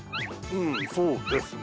うんそうですね。